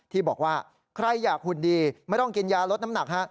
ที่บอกว่าใครอยากหุ่นดีไม่ต้องกินยาลดน้ำหนักฮะ